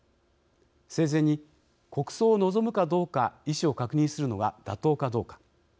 生前に国葬を望むかどうか意思を確認するのが妥当かどうか。